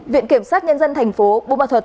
viện kiểm sát nhân dân thành phố bùa ma thuật